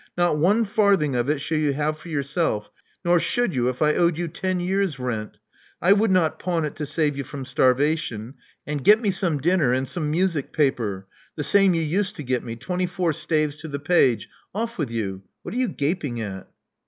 Not one farthing of it shall you have for yourself, nor should you if I owed you ten years' rent. I would not pawn it to save you from starvation. And get me some dinner, and some music paper — ^the same you used to get me, twenty four staves" to the page. Off with you. What are you gaping at?"